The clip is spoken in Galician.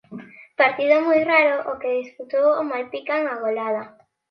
Partido moi raro o que disputou o Malpica en Agolada.